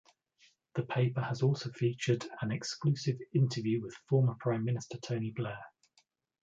The paper has also featured an exclusive interview with former Prime Minister Tony Blair.